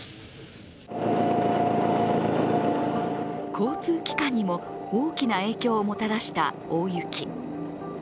交通機関にも大きな影響をもたらした大雪。